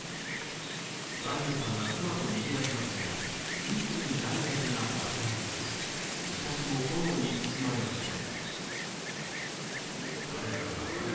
ヴァディムさんは妻と逃げ出しましたが次々に弾薬が爆発、自宅も炎に包まれました。